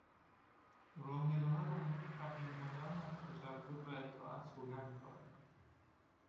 راهبهها در مورد فقیرماندن و تجرد و اطاعت سوگند میخورند.